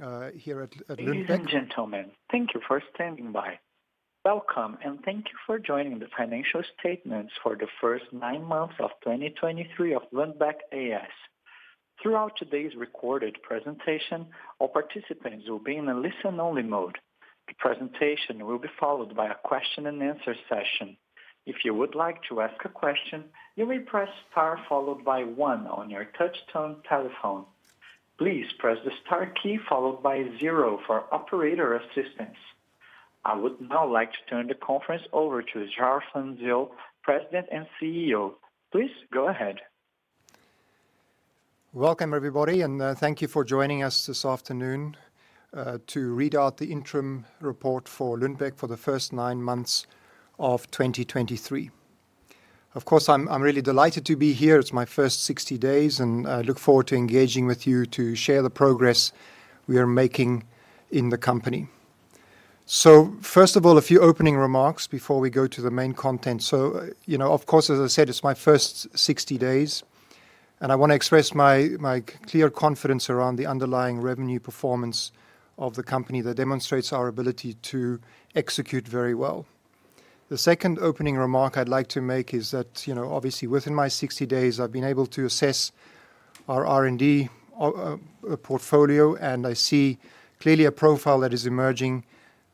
Ladies and gentlemen, thank you for standing by. Welcome, and thank you for joining the financial statements for the first nine months of 2023 of Lundbeck A/S. Throughout today's recorded presentation, all participants will be in a listen-only mode. The presentation will be followed by a question-and-answer session. If you would like to ask a question, you may press star followed by one on your touchtone telephone. Please press the star key followed by zero for operator assistance. I would now like to turn the conference over to Charl van Zyl, President and CEO. Please go ahead. Welcome, everybody, and thank you for joining us this afternoon to read out the interim report for Lundbeck for the first nine months of 2023. Of course, I'm really delighted to be here. It's my first 60 days, and I look forward to engaging with you to share the progress we are making in the company. So first of all, a few opening remarks before we go to the main content. So, you know, of course, as I said, it's my first 60 days, and I want to express my clear confidence around the underlying revenue performance of the company that demonstrates our ability to execute very well. The second opening remark I'd like to make is that, you know, obviously, within my 60 days, I've been able to assess our R&D portfolio, and I see clearly a profile that is emerging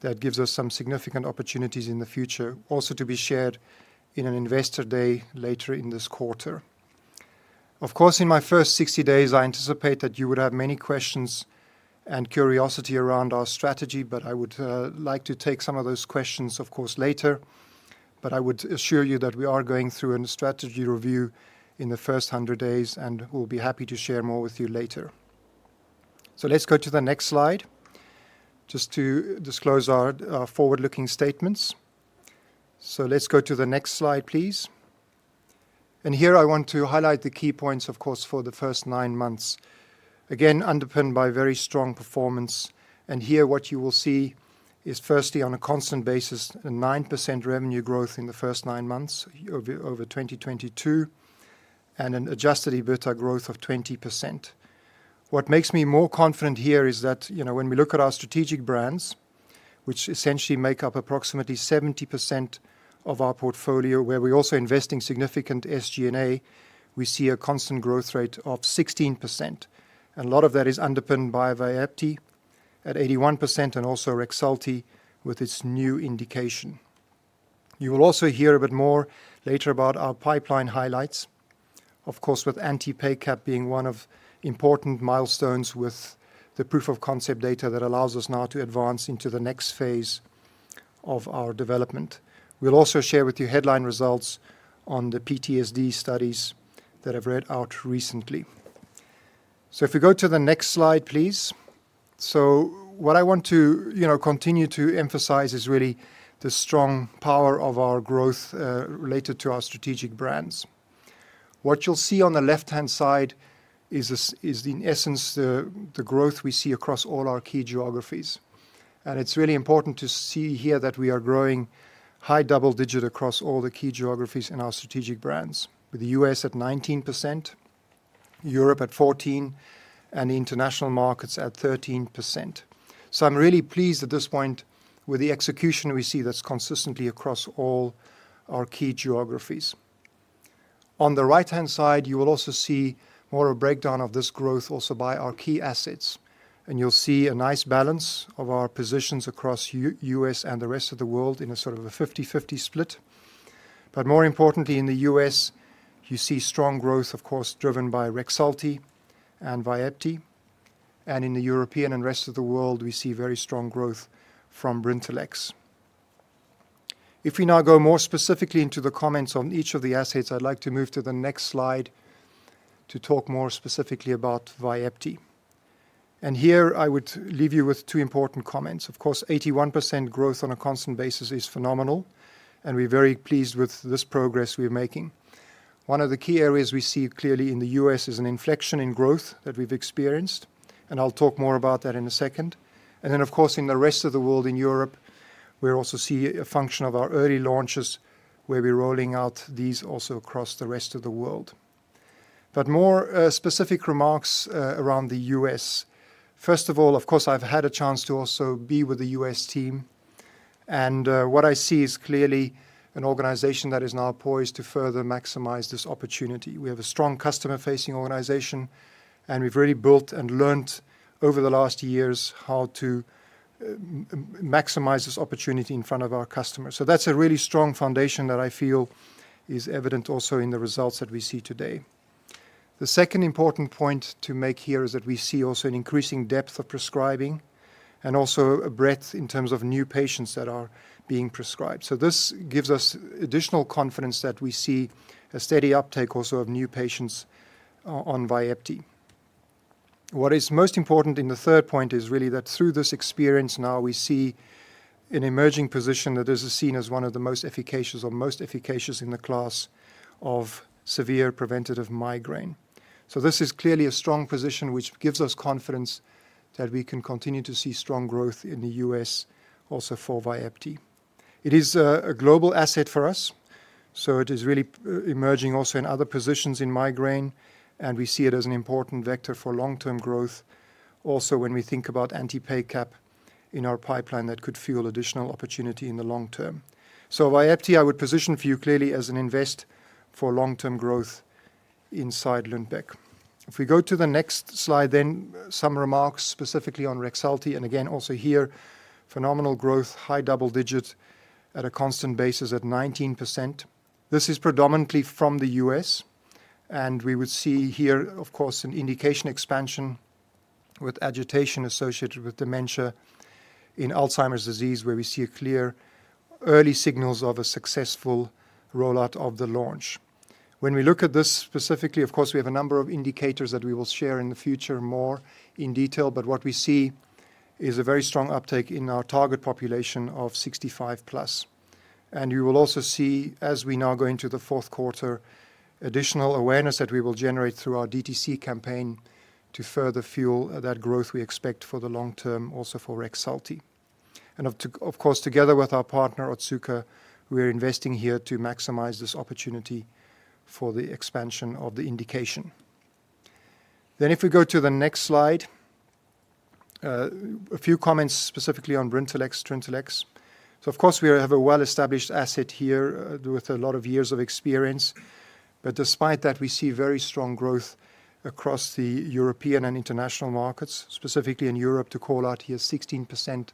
that gives us some significant opportunities in the future, also to be shared in an investor day later in this quarter. Of course, in my first 60 days, I anticipate that you would have many questions and curiosity around our strategy, but I would like to take some of those questions, of course, later. But I would assure you that we are going through a strategy review in the first 100 days, and we'll be happy to share more with you later. So let's go to the next slide just to disclose our forward-looking statements. So let's go to the next slide, please. And here I want to highlight the key points, of course, for the first nine months. Again, underpinned by very strong performance, and here what you will see is, firstly, on a constant basis, a 9% revenue growth in the first nine months over 2022 and an adjusted EBITDA growth of 20%. What makes me more confident here is that, you know, when we look at our strategic brands, which essentially make up approximately 70% of our portfolio, where we also invest in significant SG&A, we see a constant growth rate of 16%. And a lot of that is underpinned by Vyepti at 81% and also Rexulti with its new indication. You will also hear a bit more later about our pipeline highlights, of course, with anti-PACAP being one of important milestones with the proof of concept data that allows us now to advance into the next phase of our development. We'll also share with you headline results on the PTSD studies that I've read out recently. So if we go to the next slide, please. So what I want to, you know, continue to emphasize is really the strong power of our growth related to our strategic brands. What you'll see on the left-hand side is this is, in essence, the growth we see across all our key geographies. It's really important to see here that we are growing high double digit across all the key geographies in our strategic brands, with the U.S. at 19%, Europe at 14%, and the international markets at 13%. So I'm really pleased at this point with the execution we see that's consistently across all our key geographies. On the right-hand side, you will also see more a breakdown of this growth also by our key assets, and you'll see a nice balance of our positions across U.S. and the rest of the world in a sort of a 50/50 split. But more importantly, in the U.S., you see strong growth, of course, driven by Rexulti and Vyepti. And in Europe and rest of the world, we see very strong growth from Brintellix. If we now go more specifically into the comments on each of the assets, I'd like to move to the next slide to talk more specifically about Vyepti. And here I would leave you with two important comments. Of course, 81% growth on a constant basis is phenomenal, and we're very pleased with this progress we're making. One of the key areas we see clearly in the U.S. is an inflection in growth that we've experienced, and I'll talk more about that in a second. And then, of course, in the rest of the world, in Europe, we're also see a function of our early launches, where we're rolling out these also across the rest of the world. But more, specific remarks, around the U.S. First of all, of course, I've had a chance to also be with the U.S. team, and, what I see is clearly an organization that is now poised to further maximize this opportunity. We have a strong customer-facing organization, and we've really built and learned over the last years how to maximize this opportunity in front of our customers. So that's a really strong foundation that I feel is evident also in the results that we see today. The second important point to make here is that we see also an increasing depth of prescribing and also a breadth in terms of new patients that are being prescribed. So this gives us additional confidence that we see a steady uptake also of new patients on Vyepti. What is most important in the third point is really that through this experience, now we see an emerging position that is seen as one of the most efficacious or most efficacious in the class of severe preventative migraine. So this is clearly a strong position, which gives us confidence that we can continue to see strong growth in the U.S. also for Vyepti. It is a global asset for us, so it is really emerging also in other positions in migraine, and we see it as an important vector for long-term growth. Also, when we think about anti-PACAP in our pipeline, that could fuel additional opportunity in the long term. So Vyepti, I would position for you clearly as an invest for long-term growth inside Lundbeck. If we go to the next slide, then some remarks specifically on Rexulti, and again, also here, phenomenal growth, high double digits at a constant basis at 19%. This is predominantly from the US, and we would see here, of course, an indication expansion with agitation associated with dementia in Alzheimer's disease, where we see a clear early signals of a successful rollout of the launch. When we look at this specifically, of course, we have a number of indicators that we will share in the future more in detail, but what we see is a very strong uptake in our target population of 65+. And you will also see, as we now go into the fourth quarter, additional awareness that we will generate through our DTC campaign to further fuel that growth we expect for the long term, also for Rexulti. And of course, together with our partner, Otsuka, we are investing here to maximize this opportunity for the expansion of the indication. Then if we go to the next slide, a few comments specifically on Brintellix/Trintellix. So of course, we have a well-established asset here, with a lot of years of experience. But despite that, we see very strong growth across the European and international markets, specifically in Europe, to call out here 16%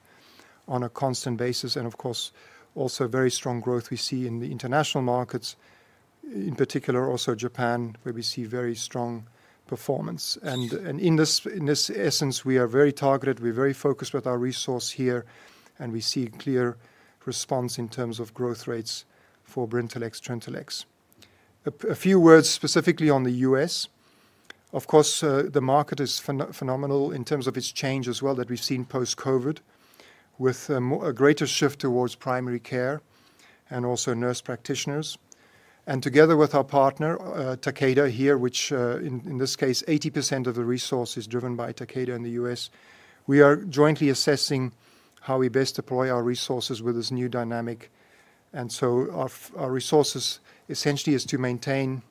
on a constant basis, and of course, also very strong growth we see in the international markets, in particular, also Japan, where we see very strong performance. And in this essence, we are very targeted, we're very focused with our resource here, and we see clear response in terms of growth rates for Brintellix/Trintellix. A few words specifically on the U.S. Of course, the market is phenomenal in terms of its change as well, that we've seen post-COVID, with a greater shift towards primary care and also nurse practitioners. And together with our partner, Takeda here, which, in this case, 80% of the resource is driven by Takeda in the US, we are jointly assessing how we best deploy our resources with this new dynamic. And so our resources essentially is to maintain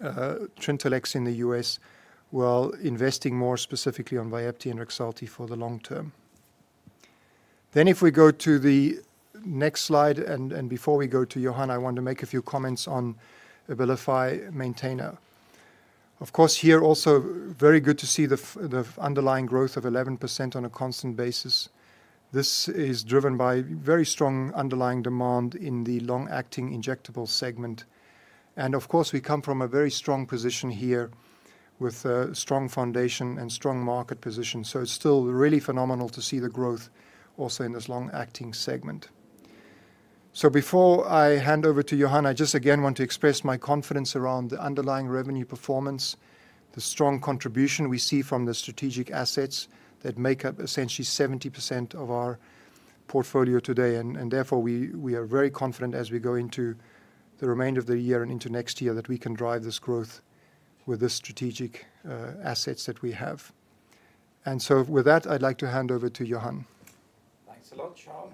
Trintellix in the US, while investing more specifically on Vyepti and Rexulti for the long term. Then if we go to the next slide, and before we go to Johan, I want to make a few comments on Abilify Maintena. Of course, here also very good to see the underlying growth of 11% on a constant basis. This is driven by very strong underlying demand in the long-acting injectable segment. And of course, we come from a very strong position here with a strong foundation and strong market position. So it's still really phenomenal to see the growth also in this long-acting segment. So before I hand over to Johan, I just again want to express my confidence around the underlying revenue performance, the strong contribution we see from the strategic assets that make up essentially 70% of our portfolio today. And therefore, we are very confident as we go into the remainder of the year and into next year, that we can drive this growth with the strategic assets that we have. And so with that, I'd like to hand over to Johan. Thanks a lot, Charl.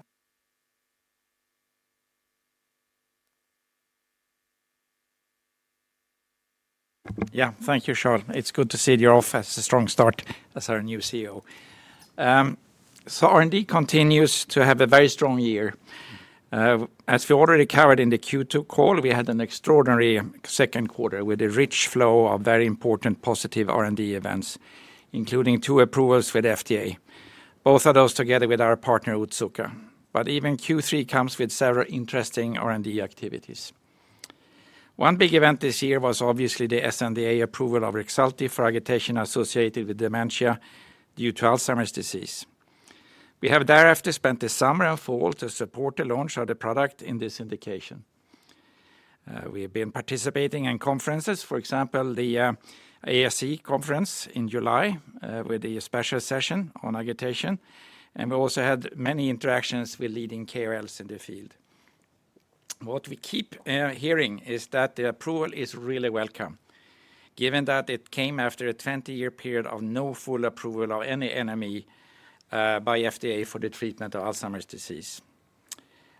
Yeah, thank you, Charl. It's good to see you off as a strong start as our new CEO. So R&D continues to have a very strong year. As we already covered in the Q2 call, we had an extraordinary second quarter with a rich flow of very important positive R&D events, including two approvals with FDA, both of those together with our partner, Otsuka. But even Q3 comes with several interesting R&D activities. One big event this year was obviously the sNDA approval of Rexulti for agitation associated with dementia due to Alzheimer's disease. We have thereafter spent the summer and fall to support the launch of the product in this indication. We have been participating in conferences, for example, the AAIC conference in July, with a special session on agitation, and we also had many interactions with leading KOLs in the field. What we keep hearing is that the approval is really welcome, given that it came after a 20-year period of no full approval of any NME by FDA for the treatment of Alzheimer's disease.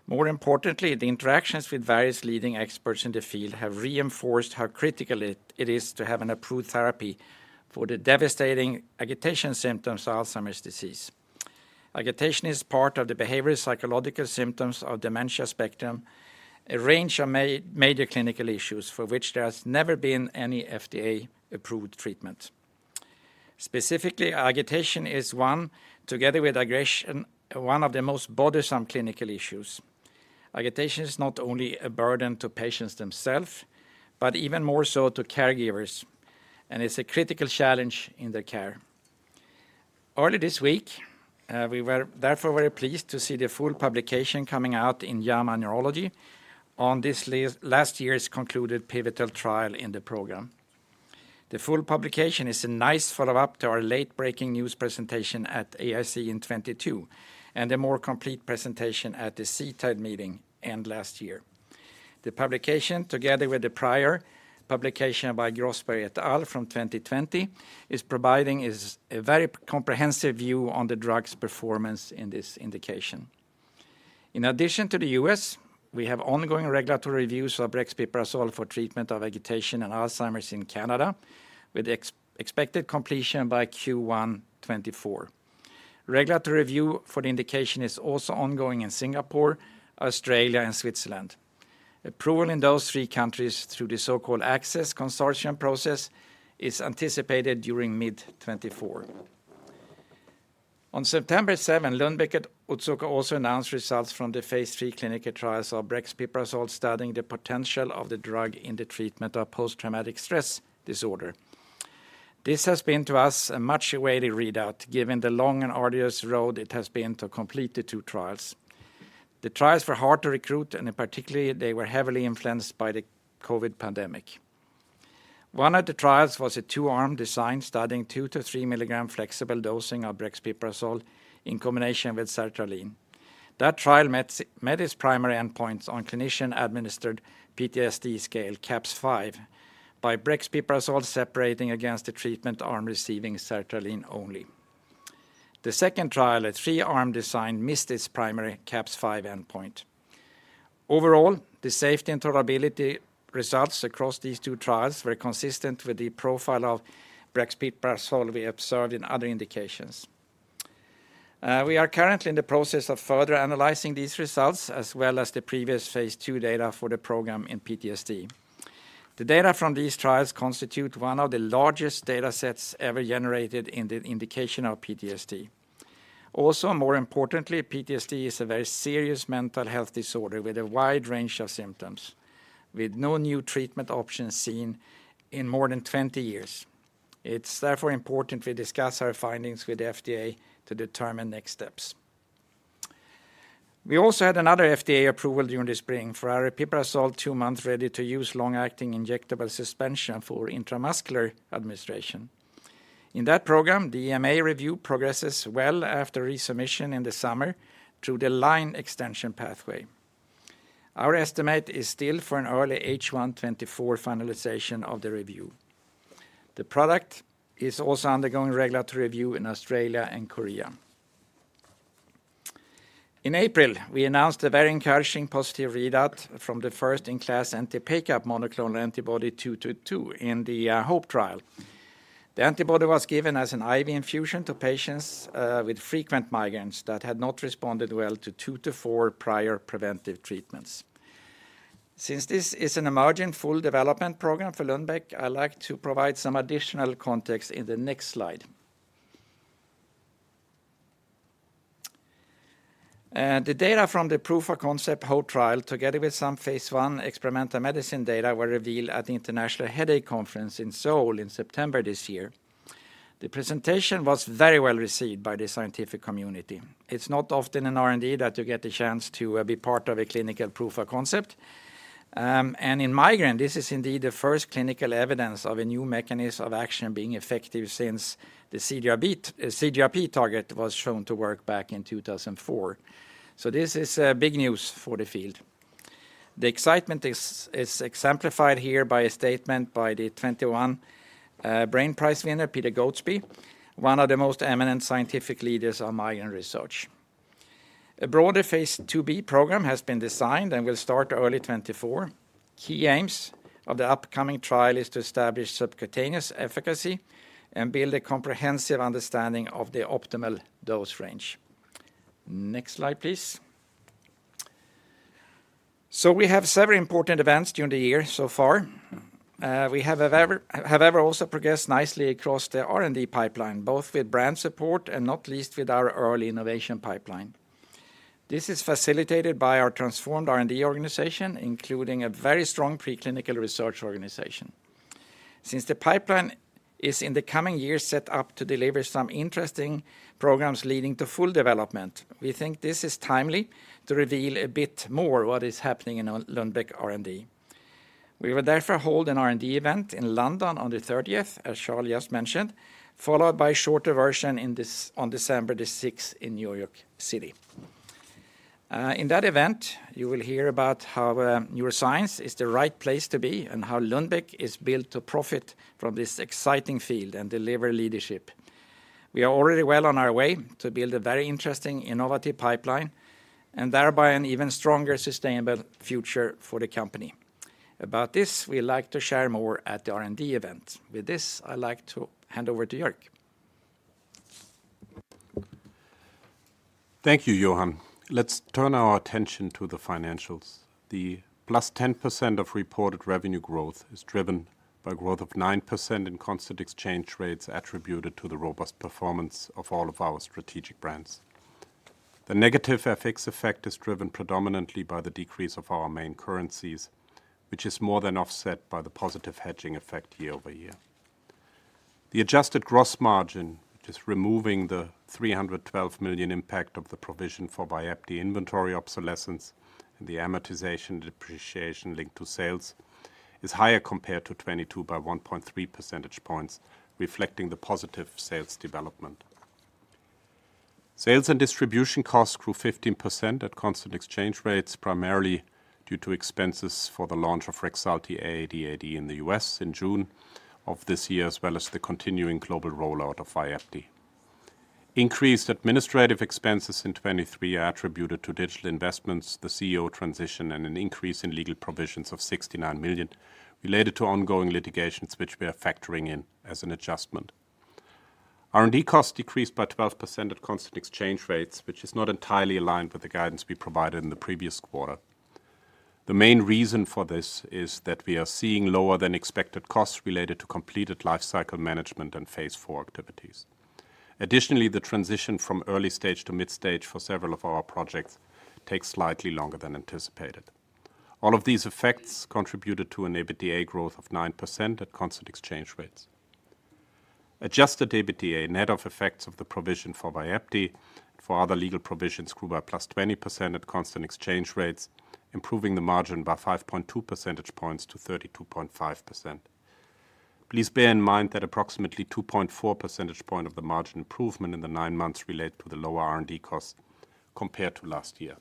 More importantly, the interactions with various leading experts in the field have reinforced how critical it is to have an approved therapy for the devastating agitation symptoms of Alzheimer's disease. Agitation is part of the behavioral psychological symptoms of dementia spectrum, a range of major clinical issues for which there has never been any FDA-approved treatment. Specifically, agitation is one, together with aggression, one of the most bothersome clinical issues. Agitation is not only a burden to patients themselves, but even more so to caregivers, and it's a critical challenge in their care. Early this week, we were therefore very pleased to see the full publication coming out in JAMA Neurology on this last year's concluded pivotal trial in the program. The full publication is a nice follow-up to our late-breaking news presentation at ASE in 2022, and a more complete presentation at the CTAD meeting end last year. The publication, together with the prior publication by Grossberg et al from 2020, is providing us a very comprehensive view on the drug's performance in this indication. In addition to the U.S., we have ongoing regulatory reviews of brexpiprazole for treatment of agitation and Alzheimer's in Canada, with expected completion by Q1 2024. Regulatory review for the indication is also ongoing in Singapore, Australia, and Switzerland. Approval in those three countries through the so-called Access Consortium process is anticipated during mid-2024. On September 7, Lundbeck and Otsuka also announced results from the phase III clinical trials of brexpiprazole, studying the potential of the drug in the treatment of post-traumatic stress disorder. This has been, to us, a much awaited readout, given the long and arduous road it has been to complete the two trials. The trials were hard to recruit, and in particular, they were heavily influenced by the COVID pandemic. One of the trials was a two-arm design, studying 2 mg-3 mg flexible dosing of brexpiprazole in combination with sertraline. That trial met its primary endpoints on Clinician-Administered PTSD Scale (CAPS-5), by brexpiprazole separating against the treatment arm receiving sertraline only. The second trial, a three-arm design, missed its primary CAPS-5 endpoint. Overall, the safety and tolerability results across these two trials were consistent with the profile of brexpiprazole we observed in other indications. We are currently in the process of further analyzing these results, as well as the previous phase II data for the program in PTSD. The data from these trials constitute one of the largest datasets ever generated in the indication of PTSD. Also, more importantly, PTSD is a very serious mental health disorder with a wide range of symptoms, with no new treatment options seen in more than 20 years. It's therefore important we discuss our findings with the FDA to determine next steps. We also had another FDA approval during the spring for our aripiprazole two-month ready-to-use long-acting injectable suspension for intramuscular administration. In that program, the EMA review progresses well after resubmission in the summer through the line extension pathway. Our estimate is still for an early H1 2024 finalization of the review. The product is also undergoing regulatory review in Australia and Korea. In April, we announced a very encouraging positive readout from the first-in-class anti-PACAP monoclonal antibody Lu AG09222 in the HOPE trial. The antibody was given as an IV infusion to patients with frequent migraines that had not responded well to two to four prior preventive treatments. Since this is an emerging full development program for Lundbeck, I'd like to provide some additional context in the next slide. The data from the proof-of-concept HOPE trial, together with some phase I experimental medicine data, were revealed at the International Headache Conference in Seoul in September this year. The presentation was very well received by the scientific community. It's not often in R&D that you get the chance to be part of a clinical proof of concept. And in migraine, this is indeed the first clinical evidence of a new mechanism of action being effective since the CGRP target was shown to work back in 2004. So this is big news for the field. The excitement is exemplified here by a statement by the 2021 Brain Prize winner, Peter Goadsby, one of the most eminent scientific leaders on migraine research. A broader phase IIb program has been designed and will start early 2024. Key aims of the upcoming trial is to establish subcutaneous efficacy and build a comprehensive understanding of the optimal dose range. Next slide, please. So we have several important events during the year so far. We have also progressed nicely across the R&D pipeline, both with brand support and not least with our early innovation pipeline. This is facilitated by our transformed R&D organization, including a very strong preclinical research organization. Since the pipeline is, in the coming years, set up to deliver some interesting programs leading to full development, we think this is timely to reveal a bit more what is happening in Lundbeck R&D. We will therefore hold an R&D event in London on the thirtieth, as Charles just mentioned, followed by a shorter version in on December the sixth in New York City. In that event, you will hear about how neuroscience is the right place to be and how Lundbeck is built to profit from this exciting field and deliver leadership. We are already well on our way to build a very interesting, innovative pipeline and thereby an even stronger, sustainable future for the company. About this, we'd like to share more at the R&D event. With this, I'd like to hand over to Joerg. Thank you, Johan. Let's turn our attention to the financials. The +10% of reported revenue growth is driven by growth of 9% in constant exchange rates, attributed to the robust performance of all of our strategic brands. The negative FX effect is driven predominantly by the decrease of our main currencies, which is more than offset by the positive hedging effect year-over-year. The adjusted gross margin, which is removing the 312 million impact of the provision for Vyepti inventory obsolescence and the amortization and depreciation linked to sales, is higher compared to 2022 by 1.3 percentage points, reflecting the positive sales development. Sales and distribution costs grew 15% at constant exchange rates, primarily due to expenses for the launch of Rexulti AADAD in the U.S. in june of this year, as well as the continuing global rollout of Vyepti. Increased administrative expenses in 2023 are attributed to digital investments, the CEO transition, and an increase in legal provisions of 69 million related to ongoing litigations, which we are factoring in as an adjustment. R&D costs decreased by 12% at constant exchange rates, which is not entirely aligned with the guidance we provided in the previous quarter. The main reason for this is that we are seeing lower than expected costs related to completed life cycle management and phase IV activities. Additionally, the transition from early stage to mid stage for several of our projects takes slightly longer than anticipated. All of these effects contributed to an EBITDA growth of 9% at constant exchange rates. Adjusted EBITDA, net of effects of the provision for Vyepti and other legal provisions, grew by +20% at constant exchange rates, improving the margin by 5.2 percentage points to 32.5%. Please bear in mind that approximately 2.4 percentage point of the margin improvement in the nine months relate to the lower R&D costs compared to last year.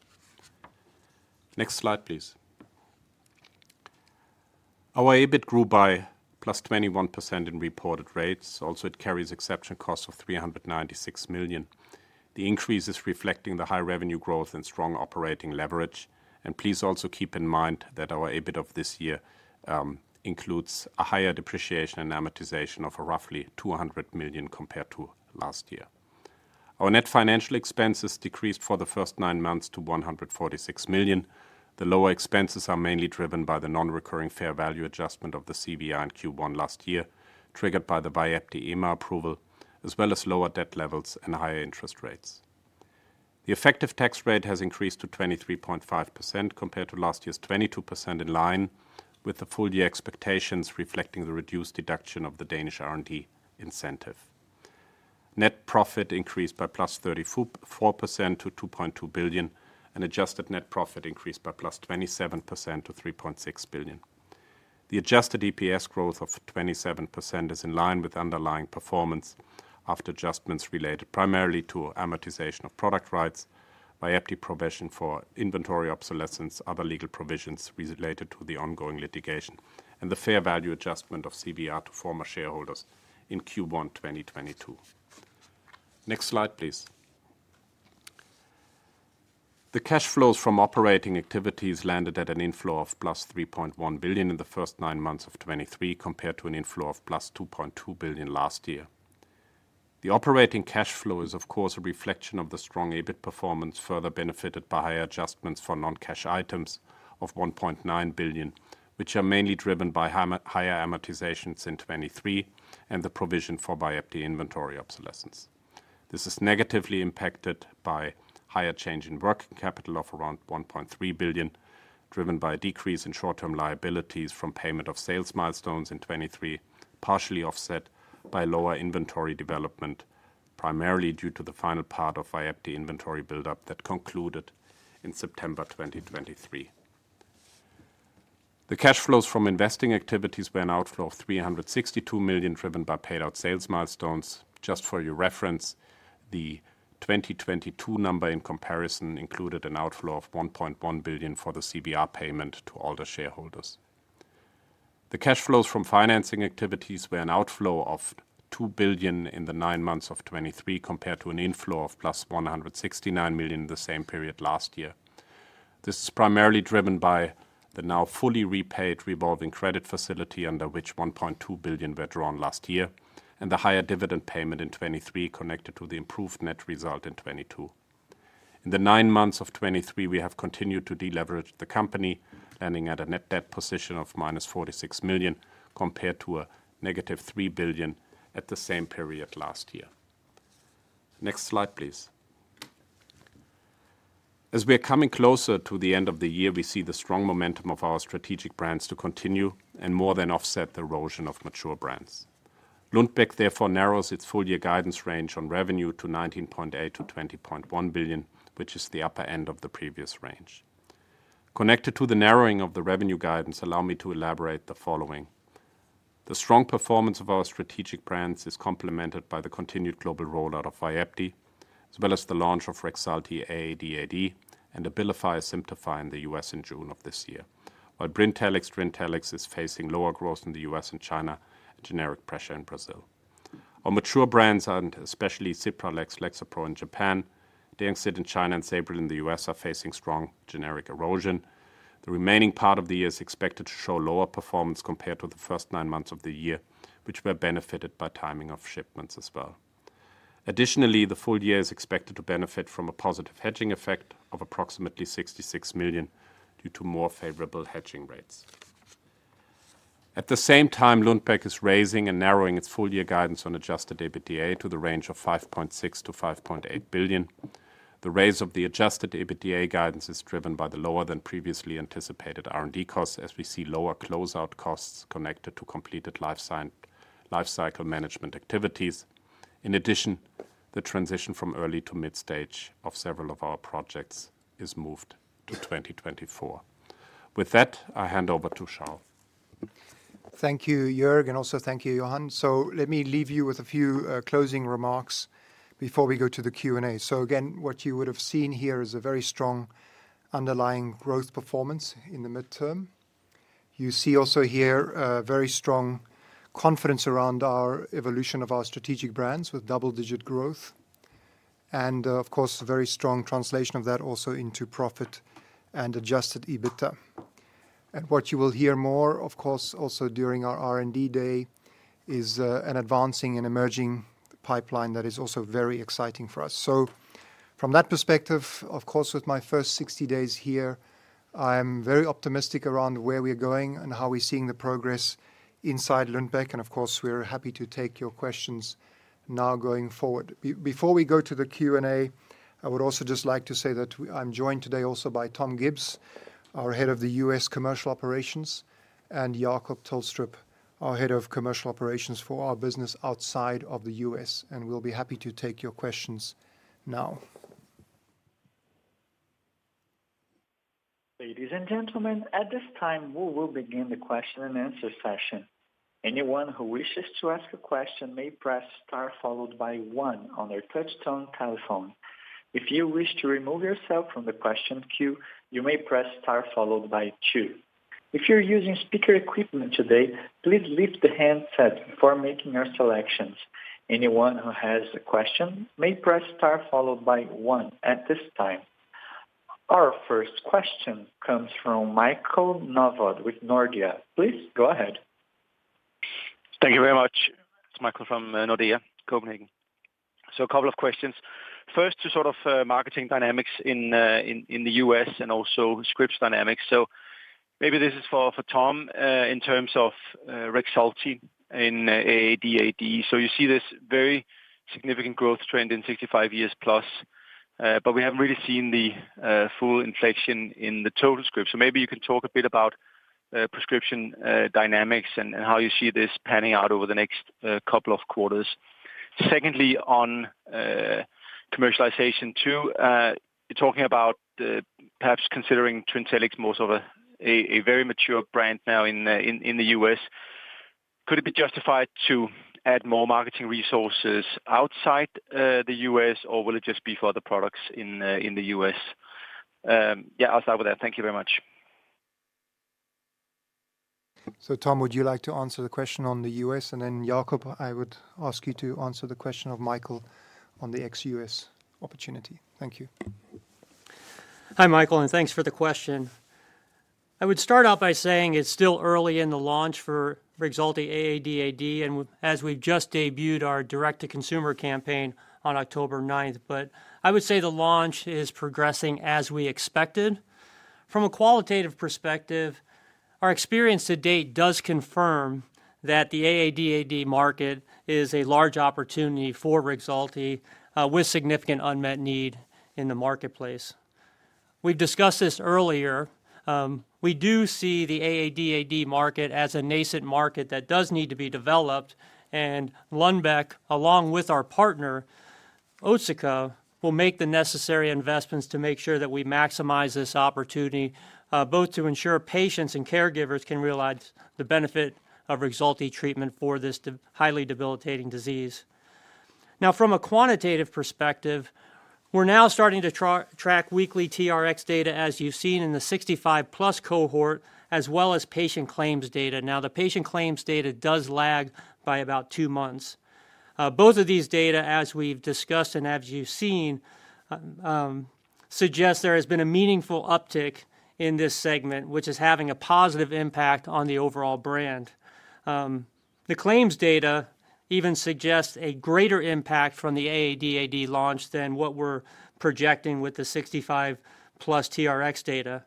Next slide, please. Our EBIT grew by +21% in reported rates. Also, it carries exception costs of 396 million. The increase is reflecting the high revenue growth and strong operating leverage. Please also keep in mind that our EBIT of this year includes a higher depreciation and amortization of roughly 200 million compared to last year. Our net financial expenses decreased for the first nine months to 146 million. The lower expenses are mainly driven by the non-recurring fair value adjustment of the CVR in Q1 last year, triggered by the Vyepti EMA approval, as well as lower debt levels and higher interest rates. The effective tax rate has increased to 23.5%, compared to last year's 22%, in line with the full year expectations, reflecting the reduced deduction of the Danish R&D incentive. Net profit increased by +34% to 2.2 billion, and adjusted net profit increased by +27% to 3.6 billion. The adjusted EPS growth of 27% is in line with underlying performance after adjustments related primarily to amortization of product rights, Vyepti provision for inventory obsolescence, other legal provisions related to the ongoing litigation, and the fair value adjustment of CVR to former shareholders in Q1 2022. Next slide, please. The cash flows from operating activities landed at an inflow of +3.1 billion in the first nine months of 2023, compared to an inflow of +2.2 billion last year. The operating cash flow is, of course, a reflection of the strong EBIT performance, further benefited by higher adjustments for non-cash items of 1.9 billion, which are mainly driven by higher amortizations in 2023 and the provision for Vyepti inventory obsolescence. This is negatively impacted by higher change in working capital of around 1.3 billion, driven by a decrease in short-term liabilities from payment of sales milestones in 2023, partially offset by lower inventory development, primarily due to the final part of Vyepti inventory buildup that concluded in September 2023. The cash flows from investing activities were an outflow of 362 million, driven by paid out sales milestones. Just for your reference, the 2022 number in comparison included an outflow of 1.1 billion for the CVR payment to all the shareholders. The cash flows from financing activities were an outflow of 2 billion in the nine months of 2023, compared to an inflow of plus 169 million in the same period last year. This is primarily driven by the now fully repaid revolving credit facility, under which 1.2 billion were drawn last year, and the higher dividend payment in 2023 connected to the improved net result in 2022. In the nine months of 2023, we have continued to deleverage the company, landing at a net debt position of -46 million, compared to -3 billion at the same period last year. Next slide, please. As we are coming closer to the end of the year, we see the strong momentum of our strategic brands to continue and more than offset the erosion of mature brands. Lundbeck therefore narrows its full year guidance range on revenue to 19.8 billion-20.1 billion, which is the upper end of the previous range. Connected to the narrowing of the revenue guidance, allow me to elaborate the following: The strong performance of our strategic brands is complemented by the continued global rollout of Vyepti, as well as the launch of Rexulti AADAD and Abilify/Asimtufii in the U.S. in June of this year. While Brintellix/Trintellix is facing lower growth in the U.S. and China, generic pressure in Brazil. Our mature brands, and especially Cipralex/Lexapro in Japan, Deanxit in China, and Sabril in the U.S., are facing strong generic erosion. The remaining part of the year is expected to show lower performance compared to the first nine months of the year, which were benefited by timing of shipments as well. Additionally, the full year is expected to benefit from a positive hedging effect of approximately 66 million due to more favorable hedging rates. At the same time, Lundbeck is raising and narrowing its full year guidance on Adjusted EBITDA to the range of 5.6 billion-5.8 billion. The raise of the adjusted EBITDA guidance is driven by the lower than previously anticipated R&D costs, as we see lower closeout costs connected to completed lifecycle management activities. In addition, the transition from early- to mid-stage of several of our projects is moved to 2024. With that, I hand over to Charl. Thank you, Joerg, and also thank you, Johan. So let me leave you with a few, closing remarks before we go to the Q&A. So again, what you would have seen here is a very strong underlying growth performance in the midterm. You see also here, very strong confidence around our evolution of our strategic brands with double-digit growth, and, of course, a very strong translation of that also into profit and Adjusted EBITDA. And what you will hear more, of course, also during our R&D day, is, an advancing and emerging pipeline that is also very exciting for us. So from that perspective, of course, with my first 60 days here, I'm very optimistic around where we're going and how we're seeing the progress inside Lundbeck, and of course, we're happy to take your questions now going forward. Before we go to the Q&A, I would also just like to say that I'm joined today also by Tom Gibbs, our head of the U.S. Commercial Operations, and Jacob Tolstrup, our head of Commercial Operations for our business outside of the U.S., and we'll be happy to take your questions now. Ladies and gentlemen, at this time, we will begin the qestion-and-answer session. Anyone who wishes to ask a question may press star followed by one on their touchtone telephone. If you wish to remove yourself from the question queue, you may press star followed by two. If you're using speaker equipment today, please lift the handset before making your selections. Anyone who has a question may press star followed by one at this time. Our first question comes from Michael Novod with Nordea. Please go ahead. Thank you very much. It's Michael from Nordea, Copenhagen. So a couple of questions. First, to sort of marketing dynamics in the U.S. and also scripts dynamics. So maybe this is for Tom in terms of Rexulti in AADAD. So you see this very significant growth trend in 65+ years, but we haven't really seen the full inflation in the total script. So maybe you can talk a bit about prescription dynamics and how you see this panning out over the next couple of quarters. Secondly, on commercialization too, you're talking about perhaps considering Trintellix more of a very mature brand now in the U.S. Could it be justified to add more marketing resources outside the US, or will it just be for other products in the U.S.? Yeah, I'll start with that. Thank you very much. So, Tom, would you like to answer the question on the U.S., and then, Jacob, I would ask you to answer the question of Michael on the ex-U.S. opportunity. Thank you. Hi, Michael, and thanks for the question. I would start out by saying it's still early in the launch for Rexulti AADAD, and as we've just debuted our direct-to-consumer campaign on October 9th, but I would say the launch is progressing as we expected. From a qualitative perspective, our experience to date does confirm that the AADAD market is a large opportunity for Rexulti, with significant unmet need in the marketplace. We've discussed this earlier, we do see the AADAD market as a nascent market that does need to be developed, and Lundbeck, along with our partner, Otsuka, will make the necessary investments to make sure that we maximize this opportunity, both to ensure patients and caregivers can realize the benefit of Rexulti treatment for this highly debilitating disease. Now, from a quantitative perspective, we're now starting to track weekly TRX data, as you've seen in the 65+ cohort, as well as patient claims data. Now, the patient claims data does lag by about two months. Both of these data, as we've discussed and as you've seen, suggest there has been a meaningful uptick in this segment, which is having a positive impact on the overall brand. The claims data even suggests a greater impact from the AADAD launch than what we're projecting with the 65+ TRX data.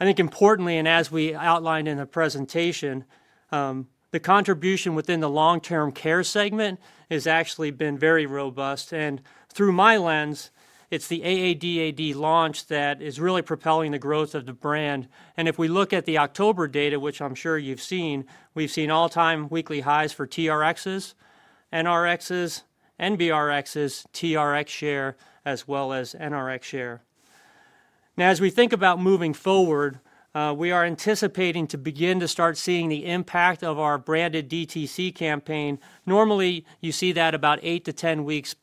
I think importantly, and as we outlined in the presentation, the contribution within the long-term care segment has actually been very robust, and through my lens, it's the AADAD launch that is really propelling the growth of the brand. If we look at the October data, which I'm sure you've seen, we've seen all-time weekly highs for TRXs, NRXs, NBRXs, TRX share, as well as NRX share. Now, as we think about moving forward, we are anticipating to begin to start seeing the impact of our branded DTC campaign. Normally, you see that about 8-10 weeks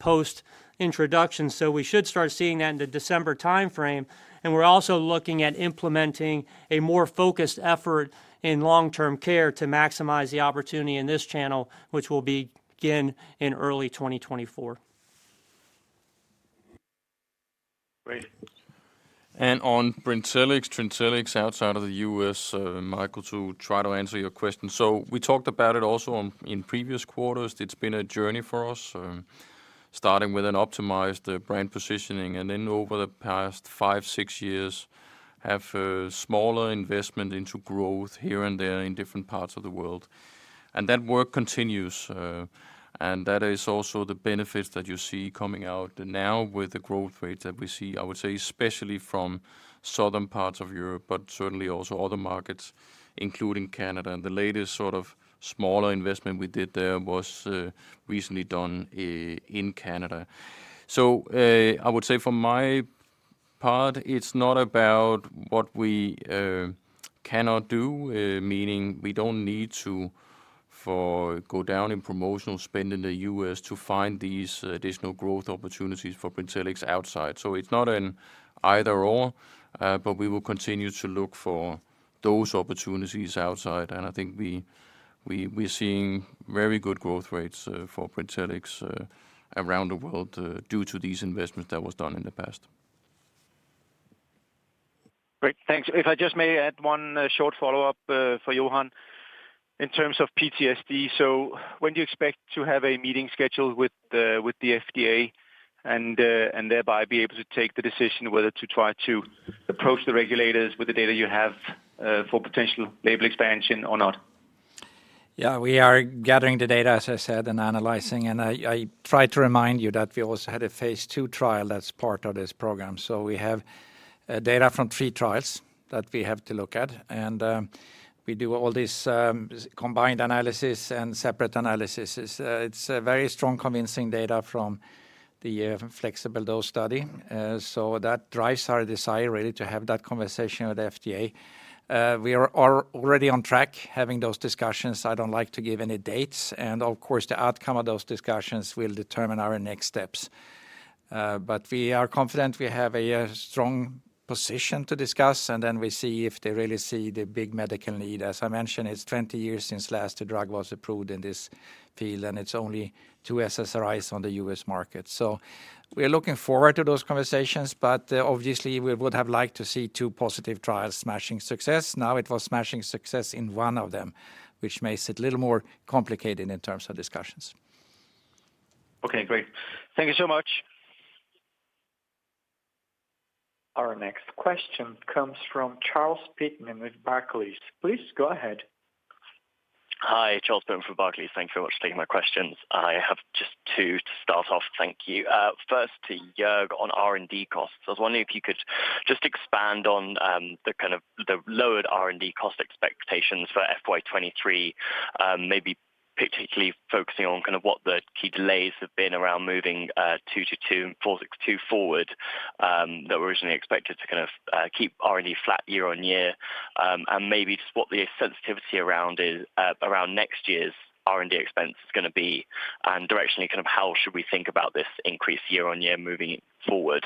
post-introduction, so we should start seeing that in the December timeframe, and we're also looking at implementing a more focused effort in long-term care to maximize the opportunity in this channel, which will begin in early 2024. Great. And on Brintellix/Trintellix outside of the US, Michael, to try to answer your question. So we talked about it also on, in previous quarters. It's been a journey for us, starting with an optimized, brand positioning, and then over the past five, six years, have a smaller investment into growth here and there in different parts of the world. And that work continues, and that is also the benefits that you see coming out now with the growth rates that we see, I would say, especially from southern parts of Europe, but certainly also other markets, including Canada. And the latest sort of smaller investment we did there was, recently done, in Canada. So, I would say from my part, it's not about what we cannot do, meaning we don't need to go down in promotional spend in the US to find these additional growth opportunities for Brintellix outside. So it's not an either/or, but we will continue to look for those opportunities outside. And I think we're seeing very good growth rates for Brintellix around the world due to these investments that was done in the past. Great, thanks. If I just may add one short follow-up for Johan. In terms of PTSD, so when do you expect to have a meeting scheduled with the FDA and thereby be able to take the decision whether to try to approach the regulators with the data you have for potential label expansion or not? Yeah, we are gathering the data, as I said, and analyzing. I tried to remind you that we also had a phase II trial that's part of this program. So we have data from three trials that we have to look at, and we do all this combined analysis and separate analysis. It's a very strong, convincing data from the flexible dose study. So that drives our desire really to have that conversation with the FDA. We are already on track having those discussions. I don't like to give any dates, and of course, the outcome of those discussions will determine our next steps. But we are confident we have a strong position to discuss, and then we see if they really see the big medical need. As I mentioned, it's 20 years since last the drug was approved in this field, and it's only two SSRIs on the U.S. market. So we're looking forward to those conversations, but, obviously, we would have liked to see two positive trials smashing success. Now, it was smashing success in one of them, which makes it a little more complicated in terms of discussions. Okay, great. Thank you so much. Our next question comes from Charles Pitman with Barclays. Please go ahead. Hi, Charles Pitman from Barclays. Thank you so much for taking my questions. I have just two to start off. Thank you. First, to Joerg, on R&D costs. I was wondering if you could just expand on the kind of the lowered R&D cost expectations for FY 2023, maybe particularly focusing on kind of what the key delays have been around moving 222 and 462 forward, that were originally expected to kind of keep R&D flat year-over-year. Maybe just what the sensitivity around is around next year's R&D expense is gonna be, and directionally, kind of how should we think about this increase year-over-year moving forward?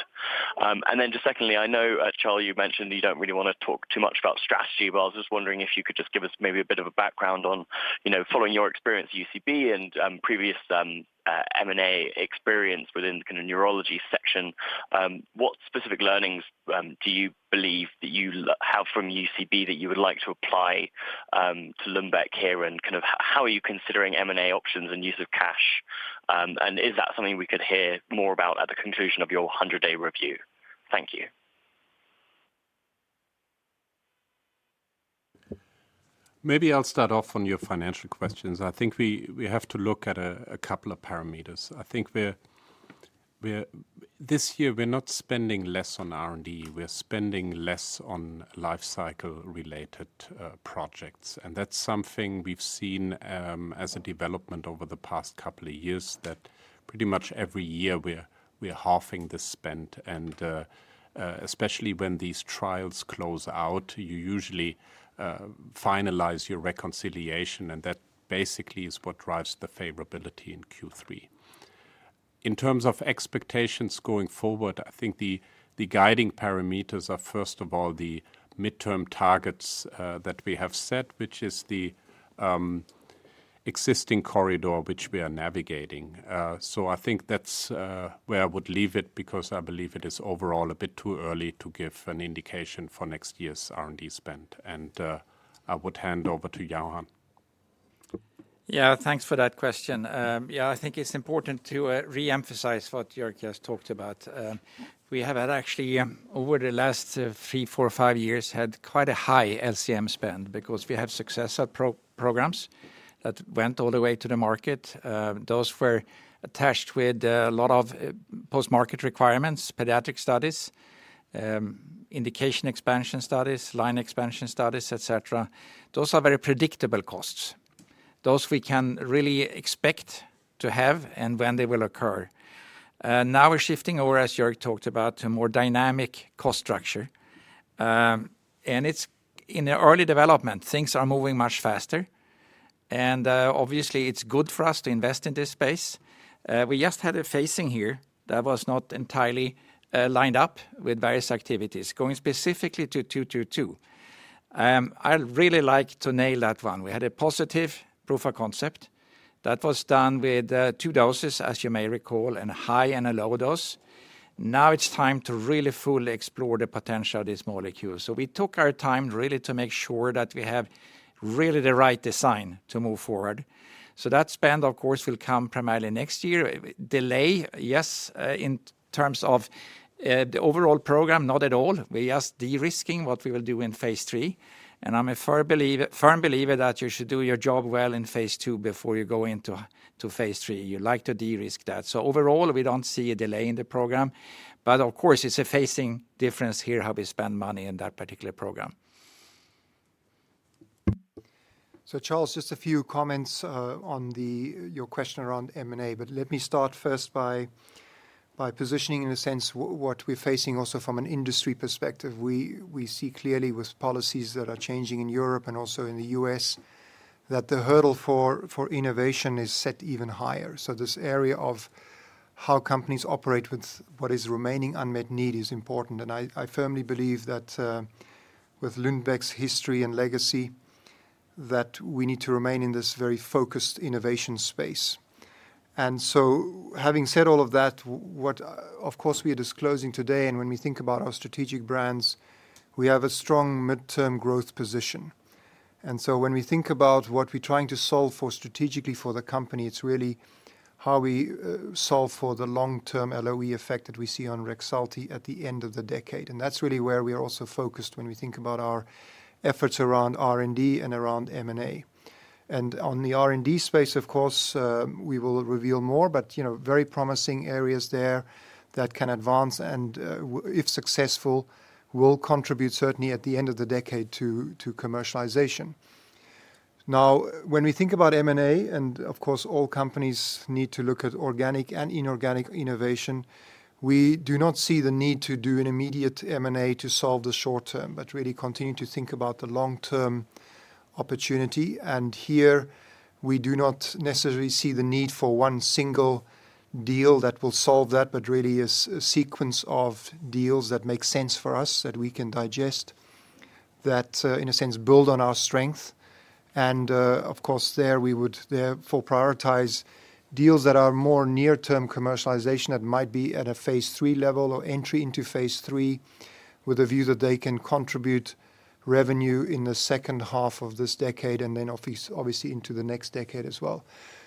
And then just secondly, I know, Charles, you mentioned you don't really want to talk too much about strategy, but I was just wondering if you could just give us maybe a bit of a background on, you know, following your experience at UCB and, previous, M&A experience within kind of neurology section. What specific learnings do you believe that you have from UCB that you would like to apply to Lundbeck here? And kind of how are you considering M&A options and use of cash? And is that something we could hear more about at the conclusion of your 100-day review? Thank you. Maybe I'll start off on your financial questions. I think we have to look at a couple of parameters. I think we're this year we're not spending less on R&D, we're spending less on life cycle related projects. And that's something we've seen as a development over the past couple of years, that pretty much every year we're halving the spend. And especially when these trials close out, you usually finalize your reconciliation, and that basically is what drives the favorability in Q3. In terms of expectations going forward, I think the guiding parameters are, first of all, the midterm targets that we have set, which is the existing corridor which we are navigating. So I think that's where I would leave it, because I believe it is overall a bit too early to give an indication for next year's R&D spend. I would hand over to Johan. Yeah, thanks for that question. Yeah, I think it's important to reemphasize what Joerg just talked about. We have had actually, over the last three, four, five years, had quite a high LCM spend because we had success at pro- programs that went all the way to the market. Those were attached with a lot of post-market requirements, pediatric studies, indication expansion studies, line expansion studies, et cetera. Those are very predictable costs. Those we can really expect to have and when they will occur. Now we're shifting over, as Joerg talked about, to a more dynamic cost structure. And it's in the early development, things are moving much faster, and obviously, it's good for us to invest in this space. We just had a phasing here that was not entirely lined up with various activities. Going specifically to 222. I'd really like to nail that one. We had a positive proof of concept that was done with, two doses, as you may recall, and a high and a low dose. Now it's time to really fully explore the potential of this molecule. So we took our time really to make sure that we have really the right design to move forward. So that spend, of course, will come primarily next year. Delay, yes, in terms of, the overall program, not at all. We're just de-risking what we will do in phase III, and I'm a firm believer, firm believer that you should do your job well in phase II before you go into, to phase III. You like to de-risk that. Overall, we don't see a delay in the program, but of course, it's a phasing difference here, how we spend money in that particular program. So Charles, just a few comments on your question around M&A, but let me start first by positioning in a sense what we're facing also from an industry perspective. We see clearly with policies that are changing in Europe and also in the U.S., that the hurdle for innovation is set even higher. So this area of how companies operate with what is remaining unmet need is important. And I firmly believe that with Lundbeck's history and legacy, that we need to remain in this very focused innovation space. And so having said all of that, what of course we are disclosing today, and when we think about our strategic brands, we have a strong midterm growth position. And so when we think about what we're trying to solve for strategically for the company, it's really how we solve for the long-term LoE effect that we see on Rexulti at the end of the decade. And that's really where we are also focused when we think about our efforts around R&D and around M&A. And on the R&D space, of course, we will reveal more, but, you know, very promising areas there that can advance and if successful, will contribute certainly at the end of the decade to commercialization. Now, when we think about M&A, and of course, all companies need to look at organic and inorganic innovation, we do not see the need to do an immediate M&A to solve the short term, but really continue to think about the long-term opportunity. And here, we do not necessarily see the need for one single deal that will solve that, but really a sequence of deals that make sense for us, that we can digest, that, in a sense, build on our strength. And, of course, there we would therefore prioritize deals that are more near-term commercialization, that might be at a phase III level or entry into phase III, with a view that they can contribute revenue in the second half of this decade, and then obviously into the next decade as well.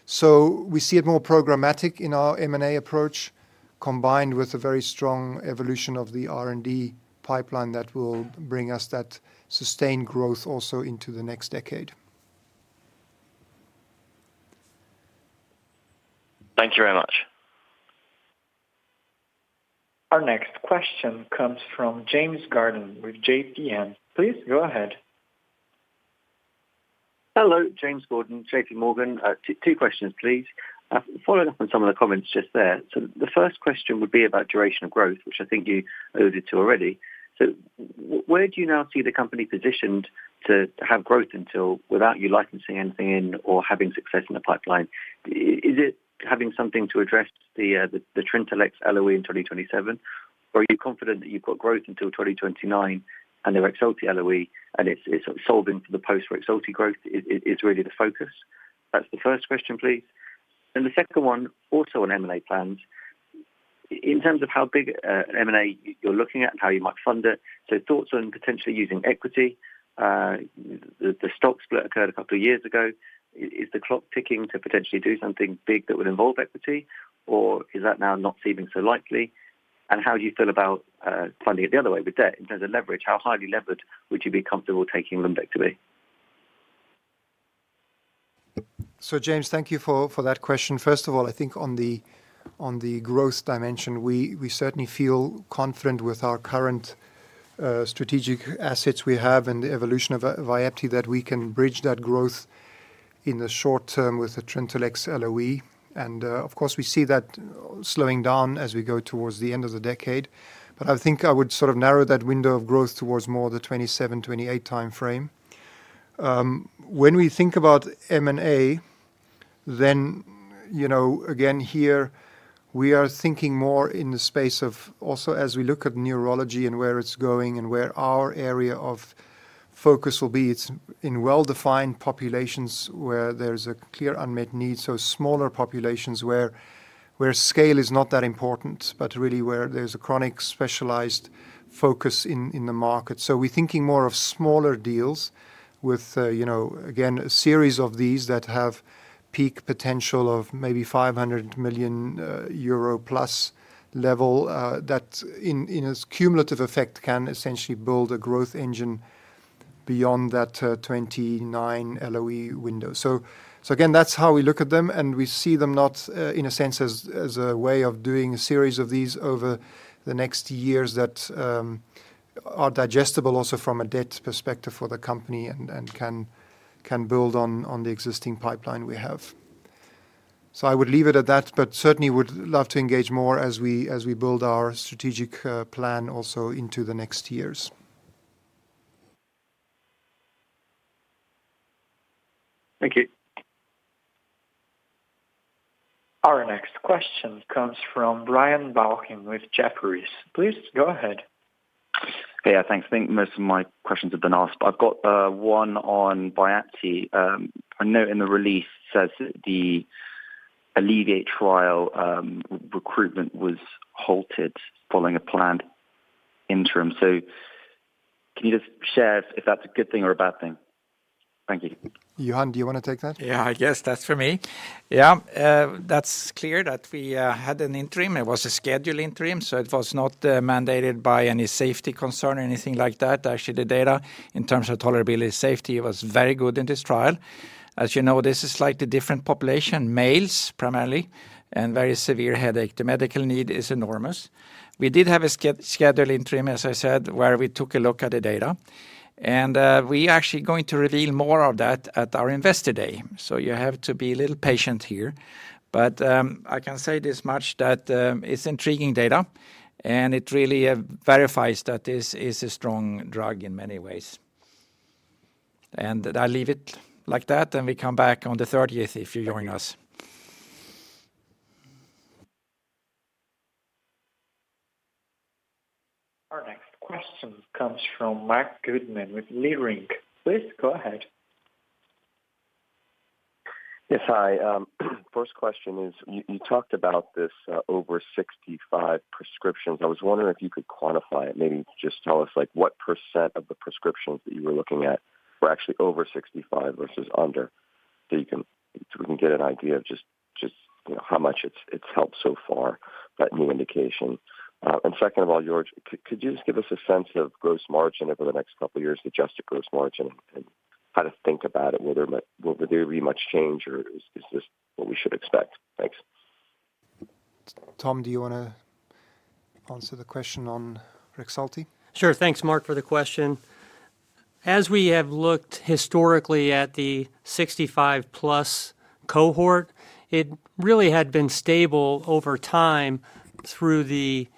So we see it more programmatic in our M&A approach, combined with a very strong evolution of the R&D pipeline that will bring us that sustained growth also into the next decade. Thank you very much. Our next question comes from James Gordon with JPM. Please go ahead. Hello, James Gordon, JPMorgan. Two questions, please. Following up on some of the comments just there. So the first question would be about duration of growth, which I think you alluded to already. So where do you now see the company positioned to have growth until, without you licensing anything or having success in the pipeline? Is it having something to address the Trintellix LoE in 2027? Or are you confident that you've got growth until 2029 and the Rexulti LoE, and it's solving for the post-Rexulti growth is really the focus? That's the first question, please. Then the second one, also on M&A plans. In terms of how big M&A you're looking at, how you might fund it, so thoughts on potentially using equity. The stock split occurred a couple of years ago. Is the clock ticking to potentially do something big that would involve equity, or is that now not seeming so likely? And how do you feel about funding it the other way with debt, in terms of leverage, how highly levered would you be comfortable taking Lundbeck to be? So James, thank you for that question. First of all, I think on the growth dimension, we certainly feel confident with our current strategic assets we have and the evolution of Vyepti, that we can bridge that growth in the short term with the Trintellix LoE. And of course, we see that slowing down as we go towards the end of the decade. But I think I would sort of narrow that window of growth towards more the 2027-2028 time frame. When we think about M&A, then, you know, again, here we are thinking more in the space of also as we look at neurology and where it's going and where our area of focus will be, it's in well-defined populations where there's a clear unmet need, so smaller populations where scale is not that important, but really where there's a chronic, specialized focus in the market. So we're thinking more of smaller deals with, you know, again, a series of these that have peak potential of maybe 500 million euro plus level, that in its cumulative effect, can essentially build a growth engine beyond that 2029 LoE window. So again, that's how we look at them, and we see them not, in a sense, as a way of doing a series of these over the next years that are digestible also from a debt perspective for the company and can build on the existing pipeline we have. So I would leave it at that, but certainly would love to engage more as we build our strategic plan also into the next years. Thank you. Our next question comes from Brian Balchin with Jefferies. Please go ahead. Okay, yeah, thanks. I think most of my questions have been asked, but I've got one on Vyepti. A note in the release says that the ALLEVIATE trial recruitment was halted following a planned interim. So can you just share if that's a good thing or a bad thing? Thank you. Johan, do you want to take that? Yeah, I guess that's for me. Yeah, that's clear that we had an interim. It was a scheduled interim, so it was not mandated by any safety concern or anything like that. Actually, the data, in terms of tolerability safety, was very good in this trial. As you know, this is slightly different population, males primarily, and very severe headache. The medical need is enormous. We did have a scheduled interim, as I said, where we took a look at the data, and we are actually going to reveal more of that at our Investor Day. So you have to be a little patient here. But, I can say this much, that it's intriguing data, and it really verifies that this is a strong drug in many ways. I leave it like that, and we come back on the 30th if you join us. Our next question comes from Marc Goodman with Leerink. Please go ahead. Yes, hi. First question is, you talked about this over 65 prescriptions. I was wondering if you could quantify it. Maybe just tell us, like, what percent of the prescriptions that you were looking at were actually over 65 versus under, so we can get an idea of just, just, you know, how much it's helped so far, that new indication. And second of all, Joerg, could you just give us a sense of gross margin over the next couple of years, adjusted gross margin, and how to think about it? Will there be much change, or is this what we should expect? Thanks. Tom, do you wanna answer the question on Rexulti? Sure. Thanks, Marc, for the question. As we have looked historically at the 65+ cohort, it really had been stable over time through the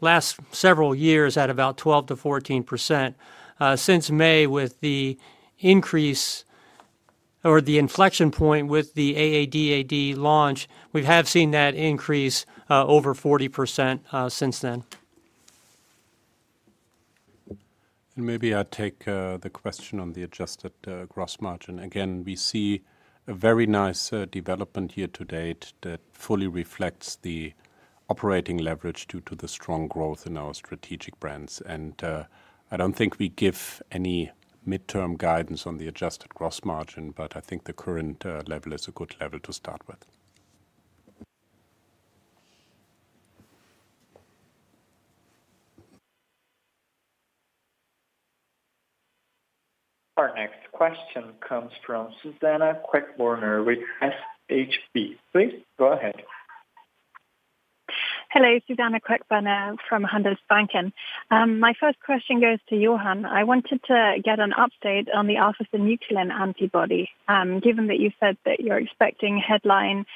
last several years at about 12%-14%. Since May, with the increase or the inflection point with the AADAD launch, we have seen that increase over 40% since then. And maybe I'd take the question on the adjusted gross margin. Again, we see a very nice development here to date that fully reflects the operating leverage due to the strong growth in our strategic brands. And I don't think we give any midterm guidance on the adjusted gross margin, but I think the current level is a good level to start with. Our next question comes from Suzanna Queckbörner with SHB. Please go ahead. Hello, Suzanna Queckbörner from Handelsbanken. My first question goes to Johan. I wanted to get an update on the alpha-synuclein antibody. Given that you said that you're expecting headline